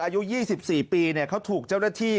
อายุ๒๔ปีเขาถูกเจ้าหน้าที่